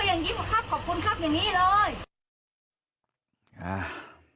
อย่างนี้เลย